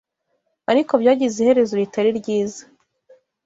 ariko byagize iherezo ritari ryiza